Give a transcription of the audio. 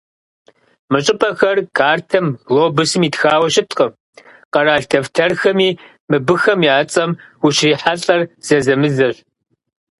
Мы щӏыпӏэхэр картэм, глобусым итхауэ щыткъым, къэрал дэфтэрхэми мыбыхэм я цӀэм ущыщрихьэлӀэр зэзэмызэщ.